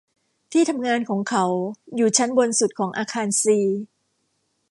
ที่ทำงานของเขาอยู่ชั้นบนสุดของอาคารซี